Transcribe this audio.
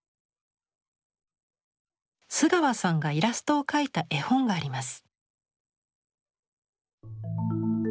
須川さんがイラストを描いた絵本があります。